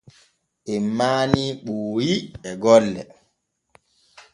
En manii Ɓooyi e gollo.